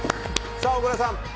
さあ、小倉さん。